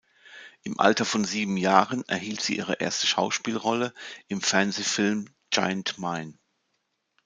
Im Alter von sieben Jahren erhielt sie ihre erste Schauspielrolle im Fernsehfilm "Giant Mine".